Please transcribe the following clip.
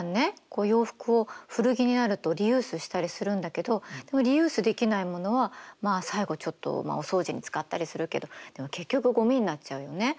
こう洋服を古着になるとリユースしたりするんだけどでもリユースできないものはまあ最後ちょっとお掃除に使ったりするけど結局ごみになっちゃうよね。